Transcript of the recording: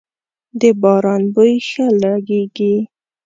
د باران بوی ښه لږیږی